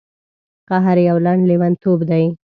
قهر یو لنډ لیونتوب دی.